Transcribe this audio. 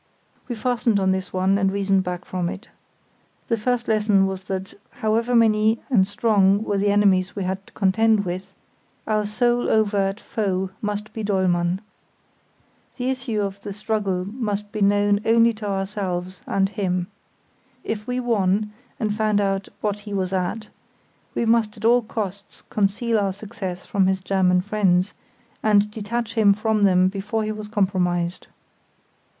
We fastened on this one and reasoned back from it. The first lesson was that, however many and strong were the enemies we had to contend with, our sole overt foe must be Dollmann. The issue of the struggle must be known only to ourselves and him. If we won, and found out "what he was at", we must at all costs conceal our success from his German friends, and detach him from them before he was compromised.